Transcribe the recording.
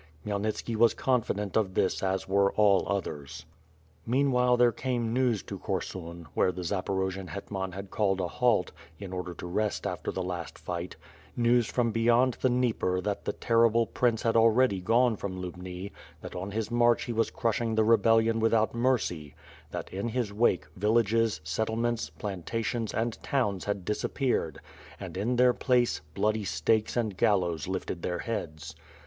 Khmyelnitski was confident of this as were all others. Meanwhile there came news to Korsun, where the Zaporo jian hetman had called a halt, in order to rest after the last fight, news from beyond the Dnieper that the terrible prince had already gone from Lubni, that on his march he was crush ing the rebellion without mercy, that, in his wake, villages, settlements, plantations, and towns had disappeared, and in their place, bloody stakes and gallows lifted their heads.